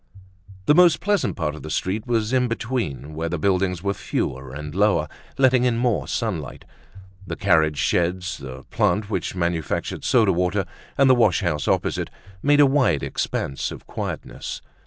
The most pleasant part of the street was in between, where the buildings were fewer and lower, letting in more sunlight. The carriage sheds, the plant which manufactured soda water, and the wash house opposite made a wide expanse of quietness.